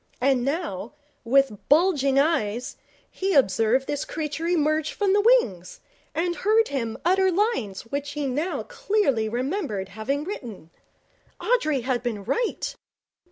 And now, with bulging eyes, he observed this creature emerge from the wings, and heard him utter lines which he now clearly remembered having written. Audrey had been right!